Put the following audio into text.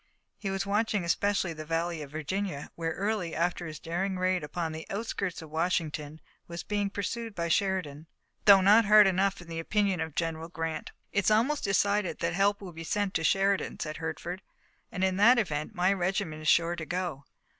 He was watching especially the Valley of Virginia, where Early, after his daring raid upon the outskirts of Washington, was being pursued by Sheridan, though not hard enough in the opinion of General Grant. "It's almost decided that help will be sent to Sheridan," said Hertford, "and in that event my regiment is sure to go.